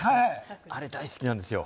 あれ大好きなんですよ。